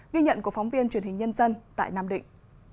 ghi nhận của phóng viên truyền hình nhân dân tại nam định